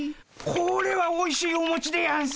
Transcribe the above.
これはおいしいおもちでやんす。